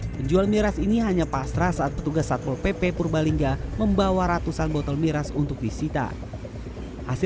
penjual miras ini hanya pasrah saat petugas satpol pp purbalingga membawa ratusan botol miras untuk disita hasil